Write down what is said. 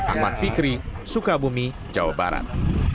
ahmad fikri sukabumi jawa barat